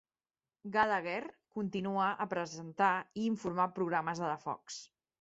Gallagher continua a presentar i informar programes de la Fox.